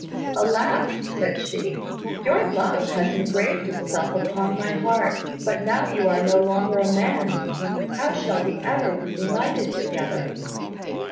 "Alas!" said she, "your love has engraved itself upon my heart; but now you are no longer a man, how shall we ever be united together?"